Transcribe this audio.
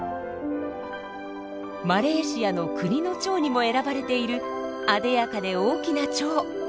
マレーシアの国のチョウにも選ばれているあでやかで大きなチョウ。